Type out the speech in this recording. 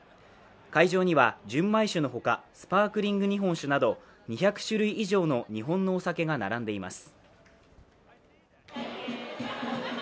会場には、純米酒の他スパークリング日本酒など２００種類以上の日本のお酒が並んでいます。